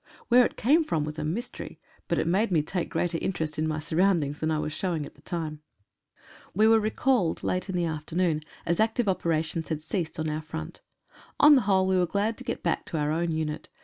Where it came from was a mystery, but it made me take a greater in terest in my surroundings than I was showing at the time. MARCH FURTHER SOUTH. We were recalled late in the afternoon, as active operations had ceased on our front. On the whole we were glad to get back to our own unit.